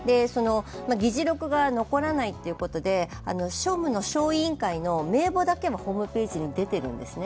議事録が残らないということで、庶務小委員会の名簿だけはホームページに出ているんですね。